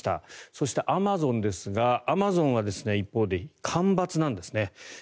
そして、アマゾンですがアマゾンは一方で干ばつなんです。